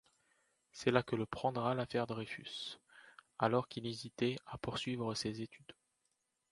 C'est là que le prendra l'affaire Dreyfus, alors qu'il hésitait à poursuivre ses études.